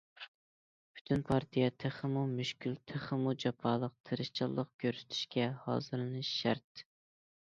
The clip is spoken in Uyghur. پۈتۈن پارتىيە تېخىمۇ مۈشكۈل، تېخىمۇ جاپالىق تىرىشچانلىق كۆرسىتىشكە ھازىرلىنىشى شەرت.